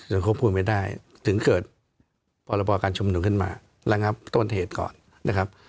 ถึงเขาพูดไม่ได้ถึงเกิดพรการชุมหนุ่มขึ้นมาและงับต้นเหตุก่อนนะครับ